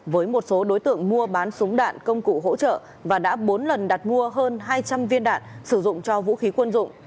với một số đối tượng mua bán súng đạn công cụ hỗ trợ và đã bốn lần đặt mua hơn hai trăm linh viên đạn sử dụng cho vũ khí quân dụng